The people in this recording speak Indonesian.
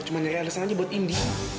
cuma nyari alasan aja buat indi